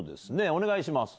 お願いします。